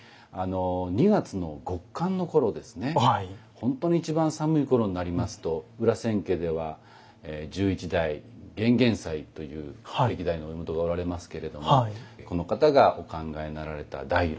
本当に一番寒い頃になりますと裏千家では十一代玄々斎という歴代のお家元がおられますけれどもこの方がお考えになられた大炉。